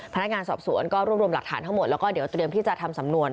พนักงานสอบสวนก็รวบรวมหลักฐานทั้งหมดแล้วก็เดี๋ยวเตรียมที่จะทำสำนวน